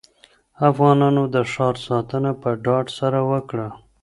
افغانانو د ښار ساتنه په ډاډ سره وکړه.